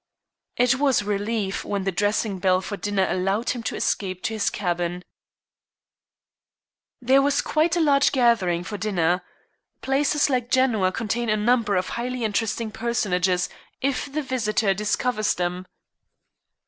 It was relief when the dressing bell for dinner allowed him to escape to his cabin. There was quite a large gathering for dinner. Places like Genoa contain a number of highly interesting personages if the visitor discovers them.